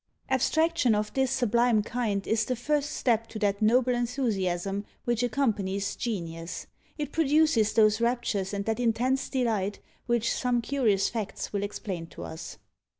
Abstraction of this sublime kind is the first step to that noble enthusiasm which accompanies Genius; it produces those raptures and that intense delight, which some curious facts will explain to us.